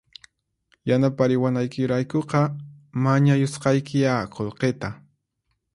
Yanapariwanaykiraykuqa mañayusqaykiya qullqita